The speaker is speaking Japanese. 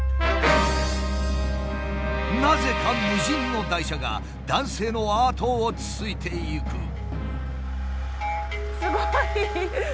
なぜか無人の台車が男性の後をついていく。